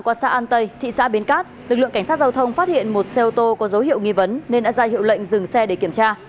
qua xã an tây thị xã bến cát lực lượng cảnh sát giao thông phát hiện một xe ô tô có dấu hiệu nghi vấn nên đã ra hiệu lệnh dừng xe để kiểm tra